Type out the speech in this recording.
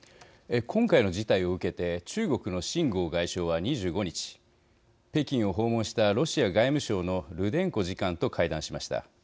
今回の事態を受けて中国の秦剛外相は２５日北京を訪問したロシア外務省のルデンコ次官と会談しました。